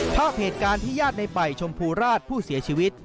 ภาพเหตุการณ์ที่ญาติในป่ายชมพูราชผู้เสียชีวิต